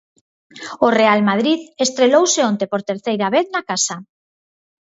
O Real Madrid estrelouse onte por terceira vez na casa.